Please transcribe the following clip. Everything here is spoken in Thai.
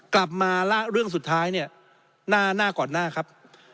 กลับมาแล้วเรื่องสุดท้ายเนี่ยหน้าก่อนหน้าครับ